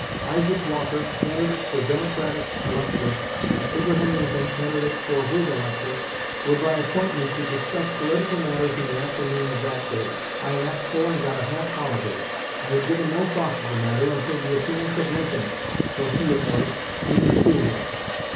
Isaac Walker, candidate for Democratic Elector, and Abraham Lincoln, candidate for Whig Elector, were by appointment to discuss political matters in the afternoon of that day. I asked for and got a half holiday. I had given no thought to the matter until the appearance of Lincoln (for he it was) in the school room.